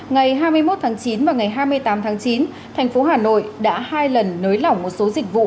ngày hai mươi một tháng chín và ngày hai mươi tám tháng chín thành phố hà nội đã hai lần nới lỏng một số dịch vụ